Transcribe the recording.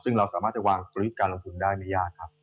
ซึ่งเราสามารถวางตัวไขการลงทุนได้ในญาติครับ